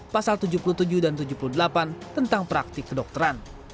pasal tujuh puluh tujuh dan tujuh puluh delapan tentang praktik kedokteran